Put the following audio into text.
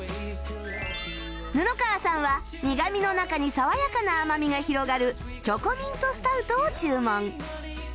布川さんは苦みの中に爽やかな甘みが広がるチョコミントスタウトを注文